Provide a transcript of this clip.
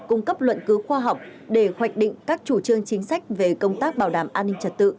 cung cấp luận cứu khoa học để hoạch định các chủ trương chính sách về công tác bảo đảm an ninh trật tự